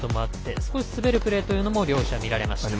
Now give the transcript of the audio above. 少し滑るプレーというのも両者見られました。